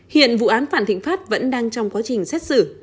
hiện vụ án vạn thịnh pháp vẫn đang trong quá trình xét xử